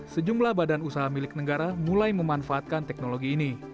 sejumlah badan usaha milik negara mulai memanfaatkan teknologi ini